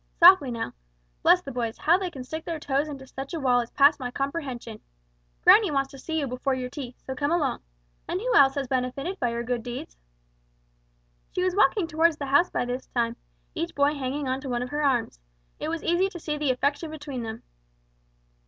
Softly now. Bless the boys, how they can stick their toes into such a wall is past my comprehension! Granny wants to see you before your tea, so come along. And who else has been benefited by your good deeds?" They were walking toward the house by this time, each boy hanging on to one of her arms. It was easy to see the affection between them.